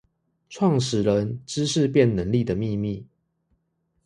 創始人知識變能力的祕密